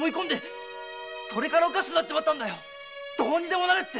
それからおかしくなっちまったどうにでもなれって！